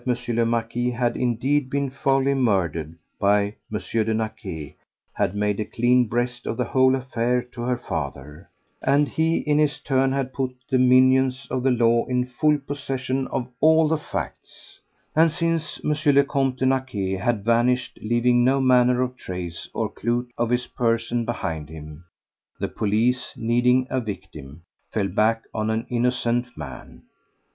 le Marquis had indeed been foully murdered by M. de Naquet, had made a clean breast of the whole affair to her father, and he in his turn had put the minions of the law in full possession of all the facts; and since M. le Comte de Naquet had vanished, leaving no manner of trace or clue of his person behind him, the police, needing a victim, fell back on an innocent man.